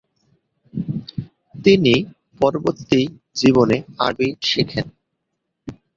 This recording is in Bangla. তিনি পরবর্তী জীবনে আরবি শেখেন।